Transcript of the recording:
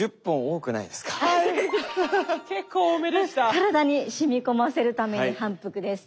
体にしみこませるために反復です。